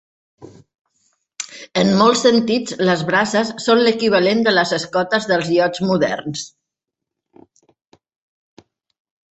En molts sentits, les braces són l'equivalent de les escotes dels iots moderns.